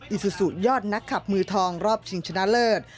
อิซูซูยอดนักขับมือทองรอบชิงชนะเลิศ